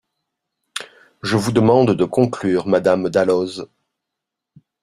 Je vous demande de conclure, madame Dalloz.